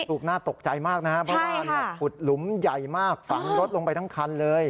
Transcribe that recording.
ลูกหน้าตกใจมากนะฮะใช่ค่ะคุดหลุมใหญ่มากฝังรถลงไปทั้งคันเลย